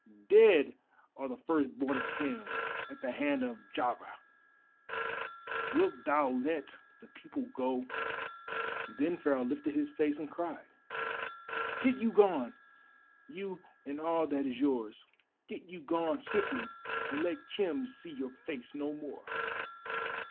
"Dead are the first born of Khem at the hand of Jahveh. Wilt thou let the people go?" Then Pharaoh lifted his face and cried: "Get you gone—you and all that is yours. Get you gone swiftly, and let Khem see your face no more."